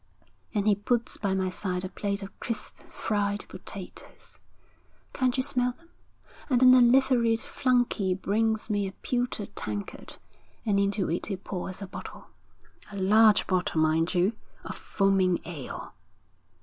And he puts by my side a plate of crisp fried potatoes. Can't you smell them? And then a liveried flunky brings me a pewter tankard, and into it he pours a bottle, a large bottle, mind you, of foaming ale.'